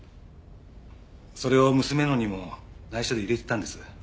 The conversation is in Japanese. それを娘のにも内緒で入れてたんです。